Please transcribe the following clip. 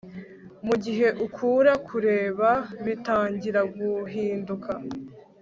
mugihe ukura, kureba bitangira guhinduka